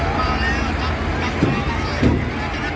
มาแล้วครับพี่น้อง